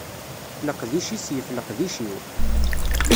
Leqdic-is yif leqdic-iw.